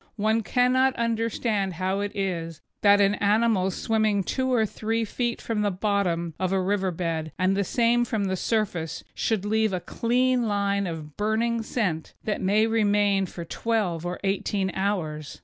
One cannot understand how it is that an animal swimming two or three feet from the bottom of a river bed and the same from the surface should leave a clean line of burning scent that may remain for twelve or eighteen hours.